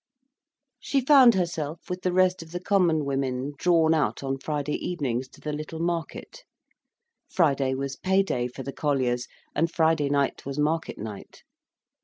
She found herself, with the rest of the common women, drawn out on Friday evenings to the little market. Friday was pay day for the colliers, and Friday night was market night.